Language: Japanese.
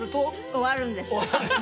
終わるんです。